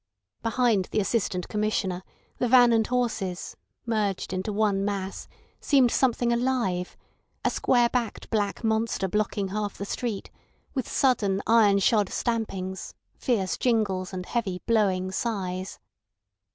Behind the Assistant Commissioner the van and horses, merged into one mass, seemed something alive—a square backed black monster blocking half the street, with sudden iron shod stampings, fierce jingles, and heavy, blowing sighs.